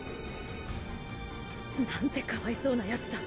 何てかわいそうなやつだ。